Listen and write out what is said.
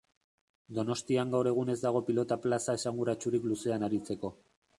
Donostian gaur egun ez dago pilota plaza esanguratsurik luzean aritzeko.